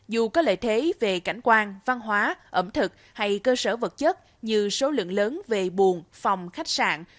dù có lợi thế về cảnh quan văn hóa ẩm thực hay cơ sở vật chất như số lượng lớn về buồn phòng khách sạn